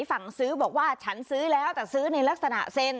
สั่งซื้อบอกว่าฉันซื้อแล้วแต่ซื้อในลักษณะเซ็น